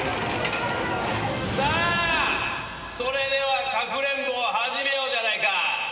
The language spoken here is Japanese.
さあそれではかくれんぼを始めようじゃないか。